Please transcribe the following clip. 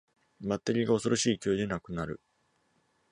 バッテリーが恐ろしい勢いでなくなる